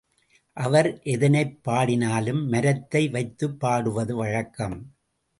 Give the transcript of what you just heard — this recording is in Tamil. அவர் எதனைப் பாடினாலும் மரத்தை வைத்துப் பாடுவது வழக்கம்.